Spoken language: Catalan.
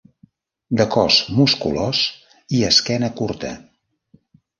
De cos musculós i esquena curta.